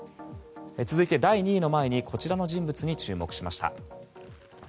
続いて第２位の前にこちらの人物に注目しました。